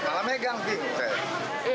ya waktu memang pasti